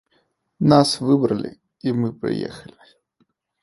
Нас выбралі, і мы прыехалі.